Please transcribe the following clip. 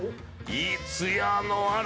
いいつやのある。